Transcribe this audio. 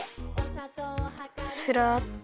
すらっと。